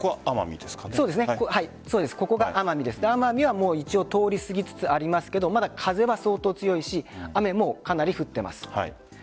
こ奄美は一応通り過ぎつつありますけれどまだ風は相当強いし雨もかなり降っています。